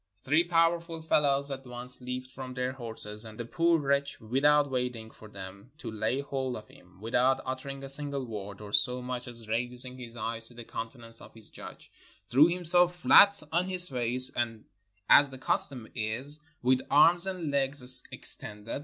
Three powerful fellows at once leaped from their horses, and the poor wretch without waiting for them to lay hold of him, without uttering a single word, or so much as raising his eyes to the countenance of his judge, threw himself flat on his face, as the custom is, with arms and legs extended.